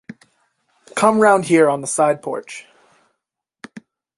Come round here on the side-porch.